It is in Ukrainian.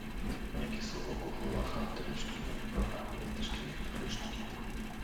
Як і «совок» у головах авторів шкільної програми та шкільних підручників.